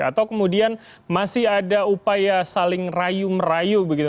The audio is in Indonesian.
atau kemudian masih ada upaya saling rayu merayu begitu